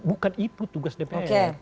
bukan itu tugas dpr